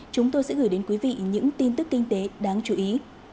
chúng tôi sẽ gửi đến quý vị những tin tức kinh tế đáng chú ý